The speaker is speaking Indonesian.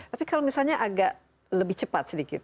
tapi kalau misalnya agak lebih cepat sedikit